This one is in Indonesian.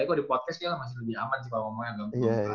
ya kalau di podcast masih lebih aman sih kalau ngomongnya nggak berubah